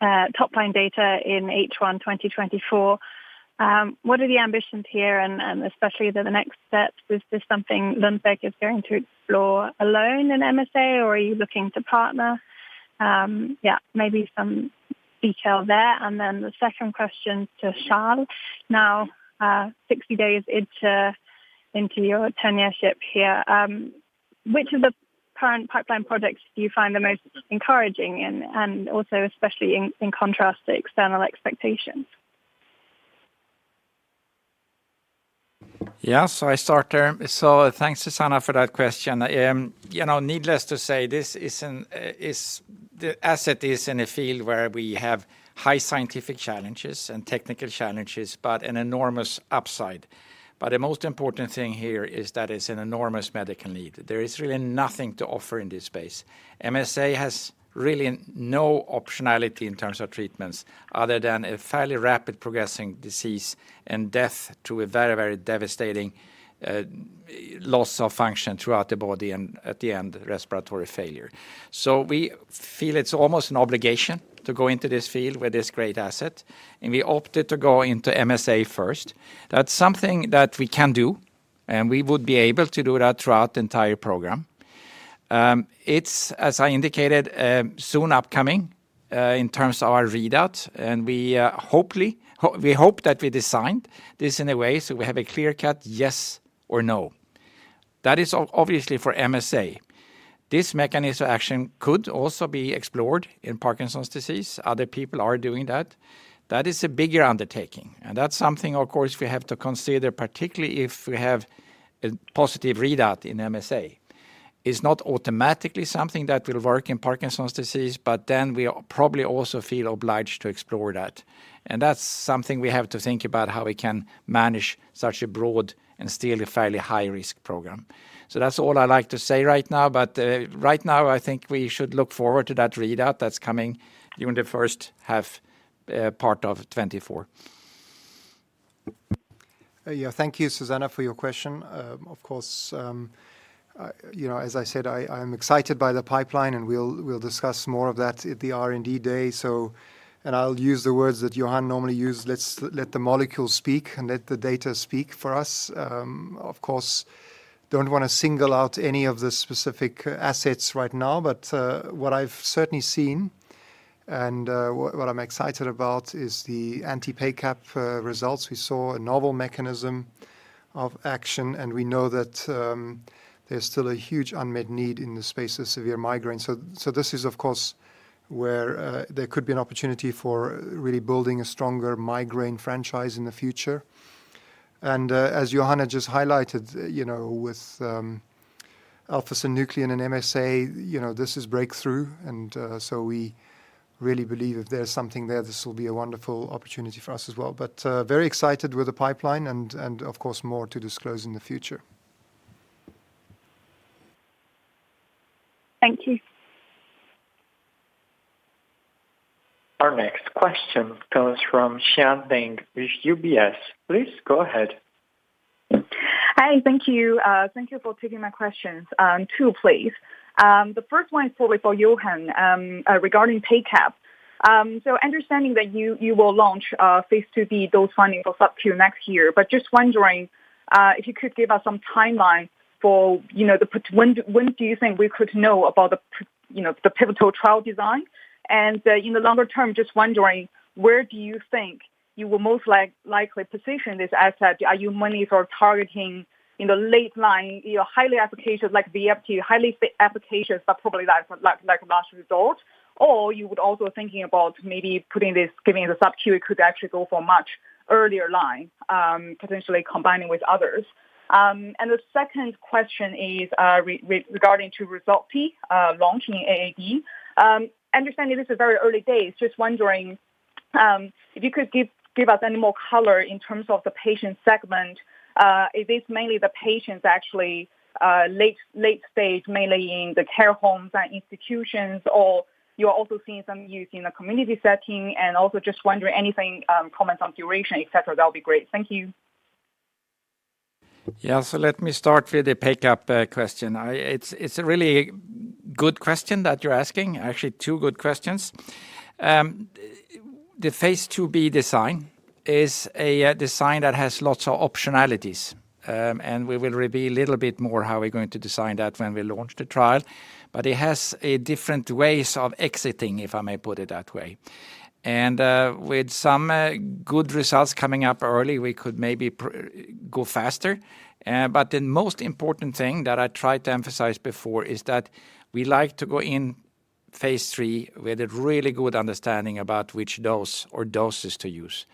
top-line data in H1 2024, what are the ambitions here and especially the next step? Is this something Lundbeck is going to explore alone in MSA, or are you looking to partner? Yeah, maybe some detail there. And then the second question to Charl. Now, 60 days into your tenureship here, which of the current pipeline products do you find the most encouraging and also especially in contrast to external expectations? Yeah, so I start there. Thanks, Suzanna, for that question. You know, needless to say, this is the asset in a field where we have high scientific challenges and technical challenges, but an enormous upside. But the most important thing here is that it's an enormous medical need. There is really nothing to offer in this space. MSA has really no optionality in terms of treatments, other than a fairly rapid progressing disease and death to a very, very devastating loss of function throughout the body and, at the end, respiratory failure. So we feel it's almost an obligation to go into this field with this great asset, and we opted to go into MSA first. That's something that we can do, and we would be able to do that throughout the entire program. It's as I indicated, soon upcoming, in terms of our readout, and we hope that we designed this in a way so we have a clear cut, yes or no. That is obviously for MSA. This mechanism of action could also be explored in Parkinson's disease. Other people are doing that. That is a bigger undertaking, and that's something, of course, we have to consider, particularly if we have a positive readout in MSA. It's not automatically something that will work in Parkinson's disease, but then we probably also feel obliged to explore that. And that's something we have to think about how we can manage such a broad and still a fairly high-risk program. That's all I'd like to say right now, but right now, I think we should look forward to that readout that's coming during the first half, part of 2024. Yeah, thank you, Suzanna, for your question. Of course, you know, as I said, I'm excited by the pipeline, and we'll discuss more of that at the R&D day. And I'll use the words that Johan normally use, let's let the molecule speak and let the data speak for us. Of course, don't wanna single out any of the specific assets right now, but what I've certainly seen and what I'm excited about is the anti-PACAP results. We saw a novel mechanism of action, and we know that there's still a huge unmet need in the space of severe migraines. So this is, of course, where there could be an opportunity for really building a stronger migraine franchise in the future. As Johan just highlighted, you know, with alpha-synuclein and MSA, you know, this is breakthrough, and so we really believe if there's something there, this will be a wonderful opportunity for us as well. But, very excited with the pipeline and of course, more to disclose in the future. Thank you. Our next question comes from Xian Deng with UBS. Please go ahead. Hi, thank you. Thank you for taking my questions, two please. The first one is probably for Johan, regarding PACAP. So understanding that you, you will launch phase IIb, those findings goes up to next year. But just wondering, if you could give us some timeline for, you know, when do you think we could know about, you know, the pivotal trial design? And, in the longer term, just wondering, where do you think you will most likely position this asset? Are you mainly for targeting in the late line, you know, highly applications like Vyepti, highly applications, but probably like, like, like last result? Or you would also thinking about maybe putting this, giving the sub-Q, it could actually go for much earlier line, potentially combining with others. And the second question is, regarding Rexulti launching AAD. Understanding this is very early days, just wondering, if you could give us any more color in terms of the patient segment. Is this mainly the patients actually, late stage, mainly in the care homes and institutions, or you're also seeing some use in the community setting? And also just wondering anything, comments on duration, et cetera, that would be great. Thank you. Yeah, so let me start with the PACAP question. It's, it's a really good question that you're asking, actually, two good questions. The phase IIb design is a design that has lots of optionalities. And we will reveal a little bit more how we're going to design that when we launch the trial. But it has different ways of exiting, if I may put it that way. And with some good results coming up early, we could maybe go faster. But the most important thing that I tried to emphasize before is that we like to go in phase III with a really good understanding about which dose or doses to use.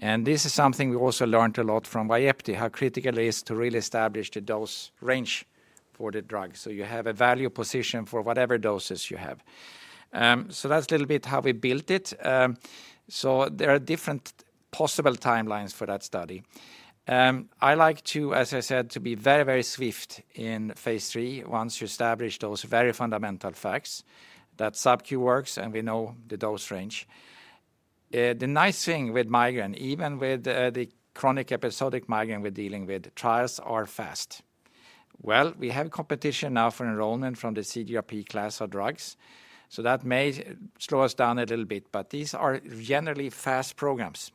This is something we also learned a lot from Vyepti, how critical it is to really establish the dose range for the drug, so you have a value position for whatever doses you have. So that's a little bit how we built it. So there are different possible timelines for that study. I like to, as I said, to be very, very swift in phase III, once you establish those very fundamental facts, that sub-Q works, and we know the dose range. The nice thing with migraine, even with the chronic episodic migraine we're dealing with, trials are fast. Well, we have competition now for enrollment from the CGRP class of drugs, so that may slow us down a little bit, but these are generally fast programs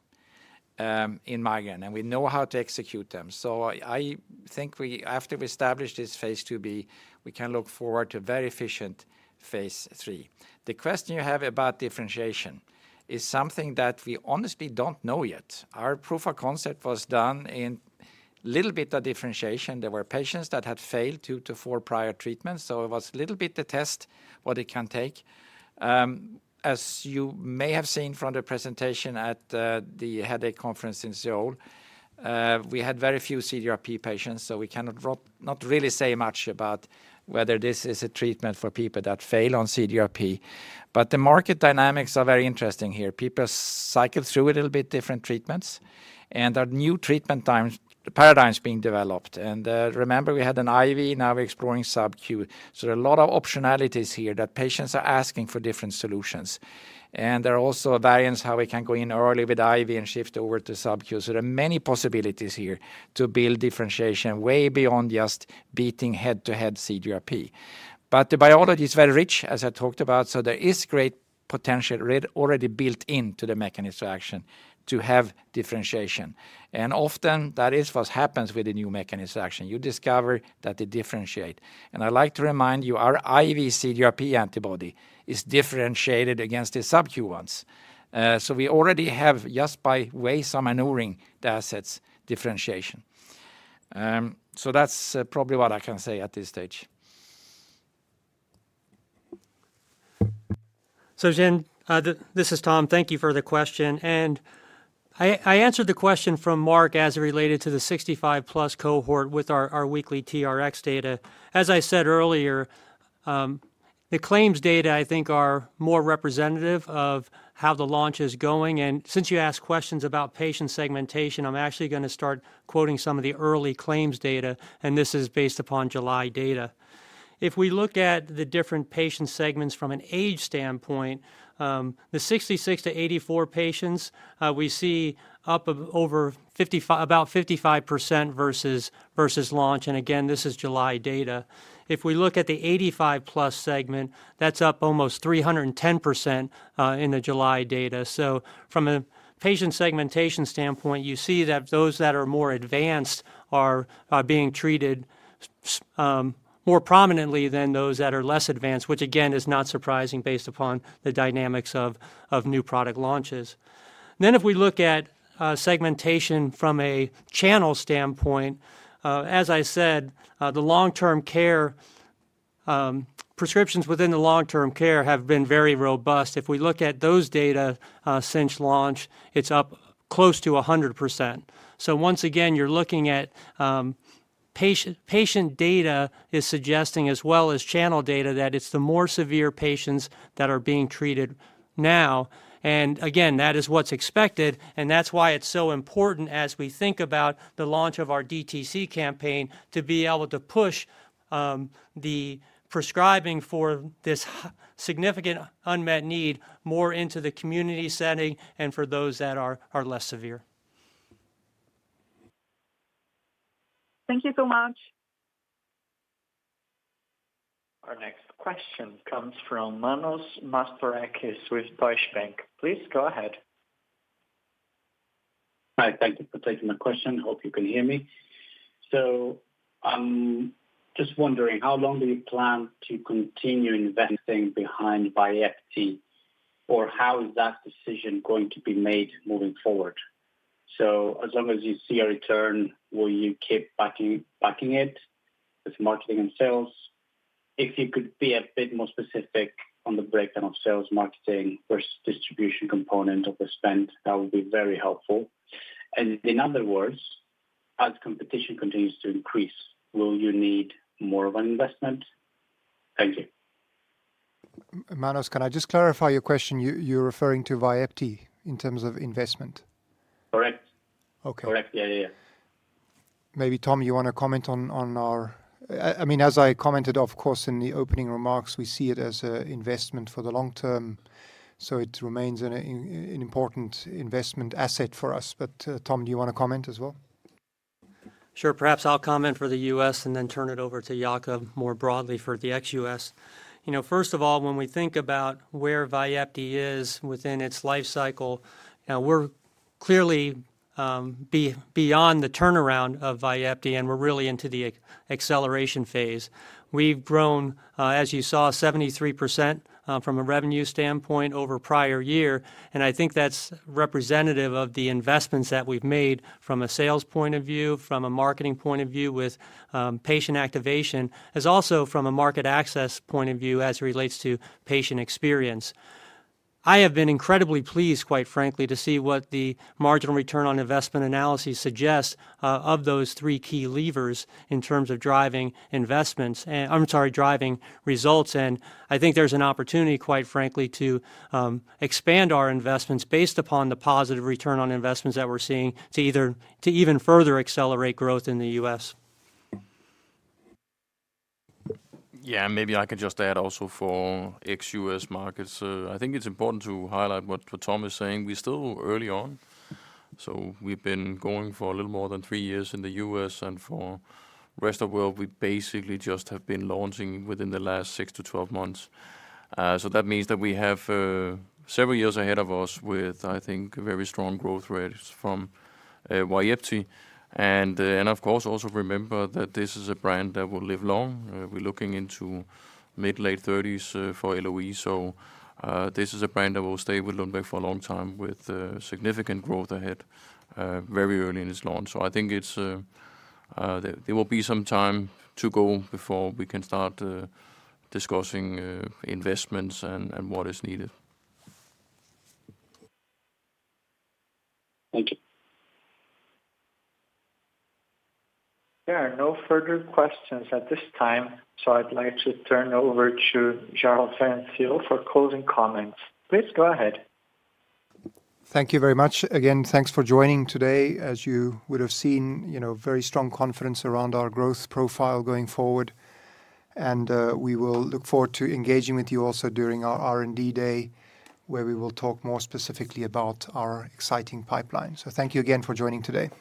in migraine, and we know how to execute them. So, after we establish this phase IIb, we can look forward to very efficient phase III. The question you have about differentiation is something that we honestly don't know yet. Our proof of concept was done in little bit of differentiation. There were patients that had failed two to four prior treatments, so it was a little bit to test what it can take. As you may have seen from the presentation at the headache conference in Seoul, we had very few CGRP patients, so we cannot, not really say much about whether this is a treatment for people that fail on CGRP. But the market dynamics are very interesting here. People cycle through a little bit different treatments, and there are new treatment paradigms being developed. And, remember, we had an IV, now we're exploring sub-Q. So there are a lot of optionalities here that patients are asking for different solutions. And there are also variants how we can go in early with IV and shift over to sub-Q. So there are many possibilities here to build differentiation way beyond just beating head-to-head CGRP. But the biology is very rich, as I talked about, so there is great potential already built into the mechanism of action to have differentiation. And often, that is what happens with a new mechanism of action. You discover that they differentiate. And I'd like to remind you, our IV CGRP antibody is differentiated against the sub-Q ones. So we already have, just by way some maneuvering the assets, differentiation. So that's probably what I can say at this stage. So Xian, this is Tom. Thank you for the question. And I, I answered the question from Marc as it related to the 65+ cohort with our, our weekly TRX data. As I said earlier, the claims data, I think, are more representative of how the launch is going. And since you asked questions about patient segmentation, I'm actually gonna start quoting some of the early claims data, and this is based upon July data. If we look at the different patient segments from an age standpoint, the 66-84 patients, we see up over 55% versus, versus launch, and again, this is July data. If we look at the 85+ segment, that's up almost 310%, in the July data. So from a patient segmentation standpoint, you see that those that are more advanced are being treated more prominently than those that are less advanced, which again is not surprising based upon the dynamics of new product launches. Then if we look at segmentation from a channel standpoint, as I said, the long-term care prescriptions within the long-term care have been very robust. If we look at those data since launch, it's up close to 100%. So once again, you're looking at patient data is suggesting, as well as channel data, that it's the more severe patients that are being treated now. And again, that is what's expected, and that's why it's so important as we think about the launch of our DTC campaign, to be able to push the prescribing for this significant unmet need more into the community setting and for those that are less severe. Thank you so much. Our next question comes from Manos Mastorakis with Deutsche Bank. Please go ahead. Hi, thank you for taking my question. Hope you can hear me. So, just wondering, how long do you plan to continue investing behind Vyepti? Or how is that decision going to be made moving forward? So as long as you see a return, will you keep backing, backing it with marketing and sales? If you could be a bit more specific on the breakdown of sales, marketing versus distribution component of the spend, that would be very helpful. And in other words, as competition continues to increase, will you need more of an investment? Thank you. Manos, can I just clarify your question? You, you're referring to Vyepti in terms of investment? Correct. Okay. Correct. Yeah, yeah. Maybe, Tom, you wanna comment on our, I mean, as I commented, of course, in the opening remarks, we see it as a investment for the long term, so it remains an important investment asset for us. But, Tom, do you wanna comment as well? Sure. Perhaps I'll comment for the U.S. and then turn it over to Jacob more broadly for the ex-US. You know, first of all, when we think about where Vyepti is within its life cycle, we're clearly beyond the turnaround of Vyepti, and we're really into the acceleration phase. We've grown, as you saw, 73% from a revenue standpoint over prior year, and I think that's representative of the investments that we've made from a sales point of view, from a marketing point of view, with patient activation, as also from a market access point of view as it relates to patient experience. I have been incredibly pleased, quite frankly, to see what the marginal return on investment analysis suggests of those three key levers in terms of driving investments. I'm sorry, driving results. I think there's an opportunity, quite frankly, to expand our investments based upon the positive return on investments that we're seeing to either even further accelerate growth in the U.S. Yeah, maybe I could just add also for ex-U.S. markets. I think it's important to highlight what Tom is saying. We're still early on, so we've been going for a little more than three years in the US, and for rest of world, we basically just have been launching within the last 6-12 months. So that means that we have several years ahead of us with, I think, very strong growth rates from Vyepti. And, of course, also remember that this is a brand that will live long. We're looking into mid-late 30s for LoE. So this is a brand that will stay with Lundbeck for a long time, with significant growth ahead, very early in its launch. So I think it's there will be some time to go before we can start discussing investments and what is needed. Thank you. There are no further questions at this time, so I'd like to turn over to Charl van Zyl for closing comments. Please go ahead. Thank you very much. Again, thanks for joining today. As you would have seen, you know, very strong confidence around our growth profile going forward, and we will look forward to engaging with you also during our R&D day, where we will talk more specifically about our exciting pipeline. So thank you again for joining today.